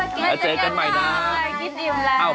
กินอิ่มแล้ว